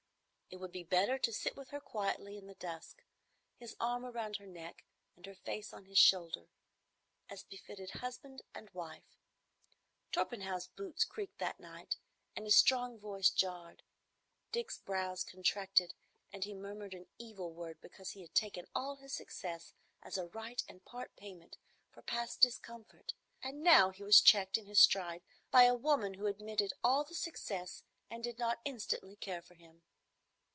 It would be better to sit with her quietly in the dusk, his arm around her neck and her face on his shoulder, as befitted husband and wife. Torpenhow's boots creaked that night, and his strong voice jarred. Dick's brows contracted and he murmured an evil word because he had taken all his success as a right and part payment for past discomfort, and now he was checked in his stride by a woman who admitted all the success and did not instantly care for him.